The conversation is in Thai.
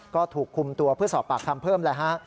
ก็ถูกคุมตัวเพื่อสอบปากคำเพิ่มแล้วฮะ